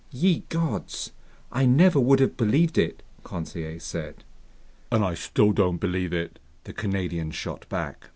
"Ye gods, I never would have believed it," Conseil said. "And I still don't believe it!" the Canadian shot back.